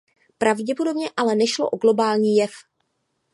Pravděpodobně ale nešlo o globální jev.